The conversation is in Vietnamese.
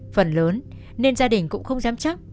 phần lớn nên gia đình cũng không dám chắc